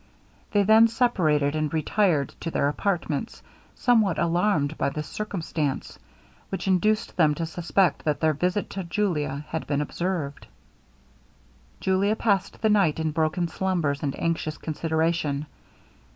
They then separated, and retired to their apartments, somewhat alarmed by this circumstance, which induced them to suspect that their visit to Julia had been observed. Julia passed the night in broken slumbers, and anxious consideration.